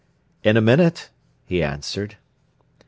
"In a minute," he answered.